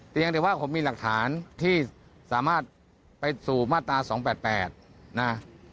แต่ยังแต่ว่าผมมีหลักฐานที่สามารถไปสู่มาตรา๒๘๘นะ